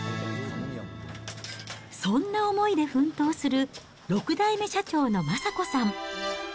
そんな思いで奮闘する６代目社長の昌子さん。